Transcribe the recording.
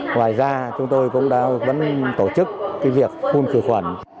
ngoài ra chúng tôi cũng đã vẫn tổ chức việc phun khử khuẩn